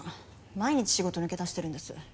毎日仕事抜け出してるんです